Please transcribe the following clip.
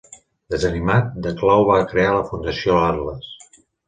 Desanimat, The Claw va crear la fundació Atlas.